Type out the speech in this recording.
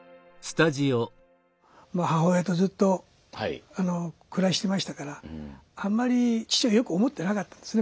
まあ母親とずっと暮らしてましたからあんまり父をよく思っていなかったんですね